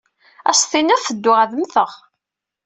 Ad s-tiniḍ tedduɣ ad mmteɣ.